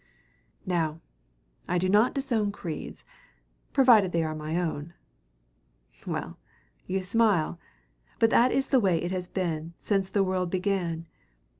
Now, I do not disown creeds provided they are my own! Well, you smile; but that is the way it has been since the world began.